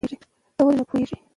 ته ولې نه پوهېږې؟